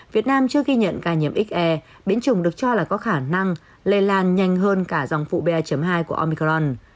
việt nam chưa ghi nhận ca nhiễm xr biến trùng được cho là có khả năng lây lan nhanh hơn cả dòng phụ ba hai của omicron